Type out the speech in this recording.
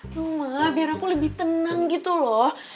yuh ma biar aku lebih tenang gitu loh